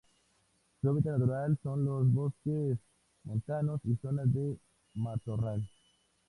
Su hábitat natural son los bosques montanos y zonas de matorral.